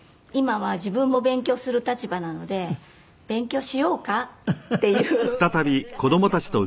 今は自分も勉強する立場なので「勉強しようか？」っていう言い方になって。